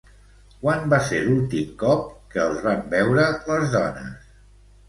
Quan va ser l'últim cop que els van veure les dones?